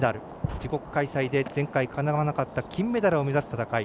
自国開催で前回かなわなかった金メダルを目指す戦い。